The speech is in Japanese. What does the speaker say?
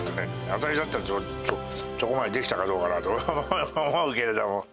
私だったら、そこまでできたかどうかなと思うけれども。